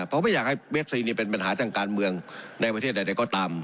เพราะไม่อยากให้เวฟซีเป็นปัญหาทางการเมืองในประเทศใดก็ตาม